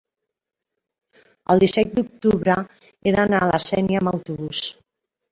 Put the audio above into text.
el disset d'octubre he d'anar a la Sénia amb autobús.